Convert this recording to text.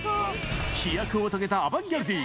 飛躍を遂げたアバンギャルディ。